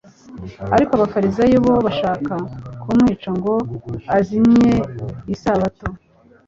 ariko abafarisayo bo bashakaga kumwica ngo azimye isabato.